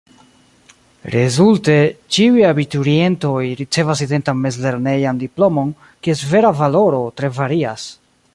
Rezulte: ĉiuj abiturientoj ricevas identan mezlernejan diplomon, kies vera valoro tre varias.